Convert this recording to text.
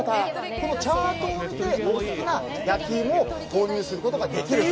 このチャートを見てお好きな焼き芋を購入することができると。